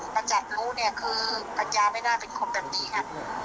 ประจักษ์รู้เนี่ยคือปัญญาไม่น่าเป็นคนแบบนี้ไง